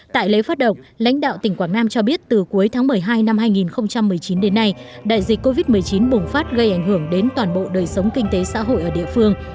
tại lễ phát động lãnh đạo tỉnh quảng nam cho biết từ cuối tháng một mươi hai năm hai nghìn một mươi chín đến nay đại dịch covid một mươi chín bùng phát gây ảnh hưởng đến toàn bộ đời sống kinh tế xã hội ở địa phương